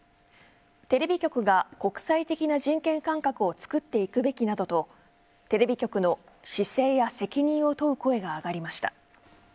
テレビ局が国際的な人権感覚を作っていくべきなどとテレビ局の姿勢や責任を問う声が上がりました。